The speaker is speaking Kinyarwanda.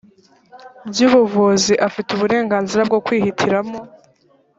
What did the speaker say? by ubuvuzi afite uburenganzira bwo kwihitiramo